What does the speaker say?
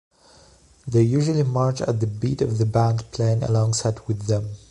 They usually march at the beat of the band playing alongside with them.